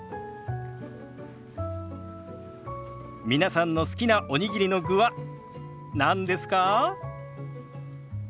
皆さんの好きなおにぎりの具は何ですか？